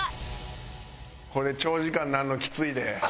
これ長時間になるのきついで。